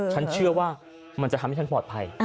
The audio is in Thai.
ฉันเชื่อว่ามันจะทำให้ฉันปลอดภัย